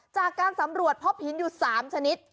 จากการสำรวจพบหินอยู่๓ชนิด